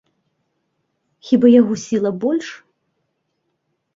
Хіба яго сіла больш?